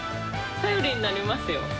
頼りになりますよ。